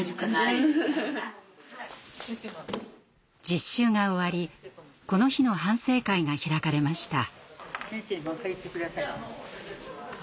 実習が終わりこの日の反省会が開かれました。